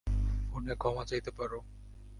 ফোনে ক্ষমা চাইতে পারো।